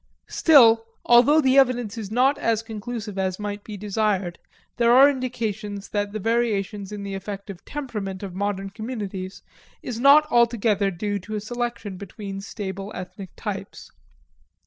Still, although the evidence is not as conclusive as might be desired, there are indications that the variations in the effective temperament of modern communities is not altogether due to a selection between stable ethnic types.